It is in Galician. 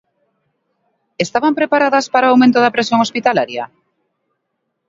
Estaban preparadas para o aumento da presión hospitalaria?